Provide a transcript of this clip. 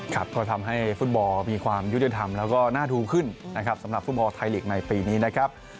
ก็ทำให้ฟุตบอลมีความยุติธรรมและหน้าทูลขึ้นสำหรับฟุตบอลไทยเหล็กในปีนี้นะครับ